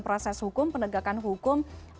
proses hukum penegakan hukum